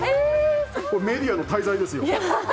メディアの大罪ですよ。